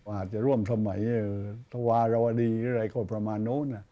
อาจจะร่วมสมัยธวารวดีหรืออะไรก็ประมาณนู้น